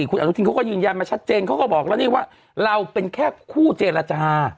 คุณอนุทินเขาก็ยืนยันมาชัดเจนเขาก็บอกแล้วนี่ว่าเราเป็นแค่คู่เจรจา